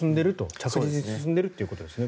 着実に進んでいるということですね。